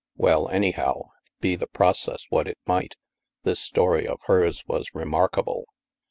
Well, anyhow, be the process what it might, this story of hers was remarkable.